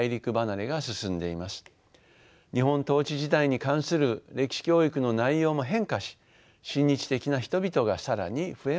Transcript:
日本統治時代に関する歴史教育の内容も変化し親日的な人々が更に増えました。